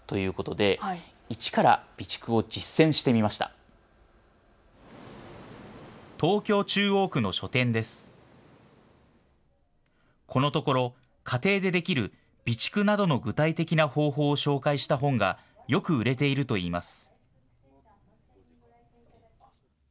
このところ家庭でできる備蓄などの具体的な方法を紹介した本がよく売れているといいます。